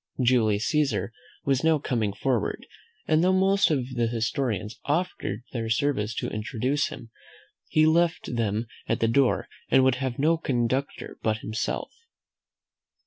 Julius Caesar was now coming forward; and though most of the historians offered their service to introduce him, he left them at the door, and would have no conductor but himself.